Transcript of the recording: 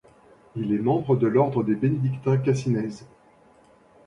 Il est membre de l'ordre des bénédictins cassinaises.